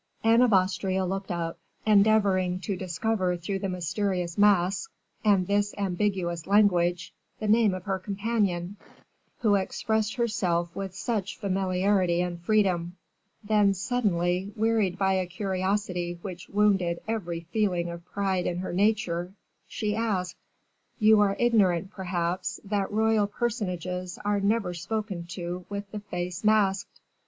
Anne of Austria looked up, endeavoring to discover through the mysterious mask, and this ambiguous language, the name of her companion, who expressed herself with such familiarity and freedom; then, suddenly, wearied by a curiosity which wounded every feeling of pride in her nature, she said, "You are ignorant, perhaps, that royal personages are never spoken to with the face masked."